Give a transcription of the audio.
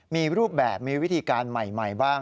มีรูปแบบมีวิธีการใหม่บ้าง